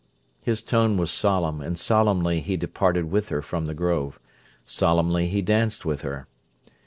His tone was solemn, and solemnly he departed with her from the grove. Solemnly he danced with her.